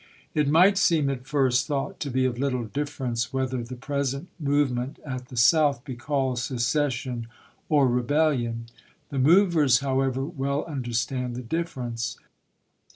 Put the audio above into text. .. It might seem at first thought to be of little difference whether the present movement at the South be called secession " or '* rebellion." The movers, however, well understand the difference.